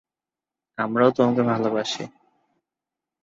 আমরাও তোমাকে ভালোবাসি।